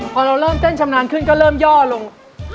พอเราเริ่มเต้นชำนาญขึ้นก็เริ่มย่อลง